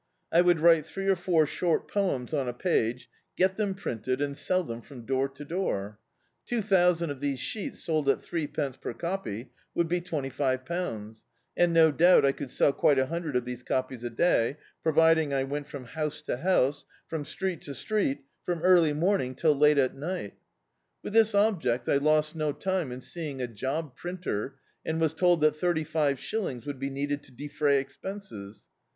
I would write three or four short poems on a page, get them printed, and sell them from door to door. Two thousand of these sheets, sold at threepence per copy, would be twenty five pounds, and, no doubt, I could sell quite a hundred of these copies a day, providing I went from house to house, from street to street, from early morning till late at ni^L With this object I lost no time in seeing a job printer, and was told that thirty five shillings would be needed to defray expenses.